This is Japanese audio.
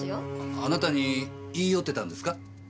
あなたに言い寄ってたんですか？